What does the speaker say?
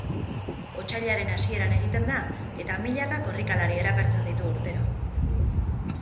Otsailaren hasieran egiten da eta milaka korrikalari erakartzen ditu urtero.